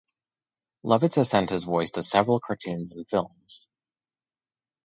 Lovitz has lent his voice to several cartoons and films.